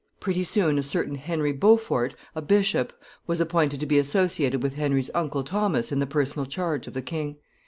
Pretty soon a certain Henry Beaufort, a bishop, was appointed to be associated with Henry's uncle Thomas in the personal charge of the king.